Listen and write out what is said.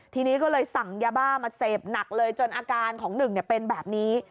ทีนี้ก็เลยสั่งยาบ้ามาเสพหนักเลยจนอาการของหนึ่งเป็นแบบนี้